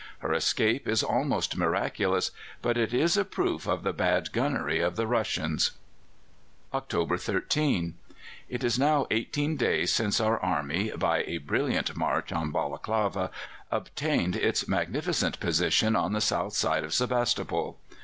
Her escape is almost miraculous, but it is a proof of the bad gunnery of the Russians. "October 13. It is now eighteen days since our army, by a brilliant march on Balaklava, obtained its magnificent position on the south side of Sebastopol.